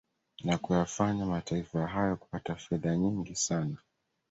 Na kuyafanya mataifa hayo kupata fedha nyingi sana